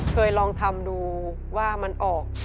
เคยลองทำดูว่ามันออก